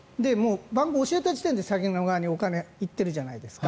番号を教えた時点で、詐欺の側にお金が行ってるじゃないですか。